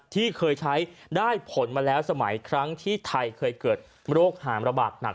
ที่เคยใช้ได้ผลมาแล้วสมัยครั้งที่ไทยเคยเกิดโรคหามระบาดหนัก